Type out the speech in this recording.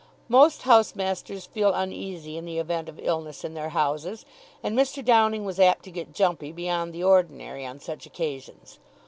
Most housemasters feel uneasy in the event of illness in their houses, and Mr. Downing was apt to get jumpy beyond the ordinary on such occasions.